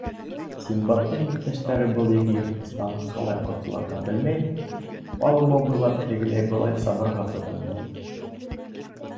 Синдбадтың иптәштәре был ике йыртҡыстан ҡалай ҡотолорға белмәй палуба буйлап тегеләй-былай сабырға тотона.